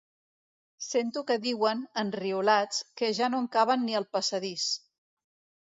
Sento que diuen, enriolats, que ja no en caben ni al passadís.